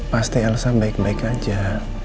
pasti elsa baik baik aja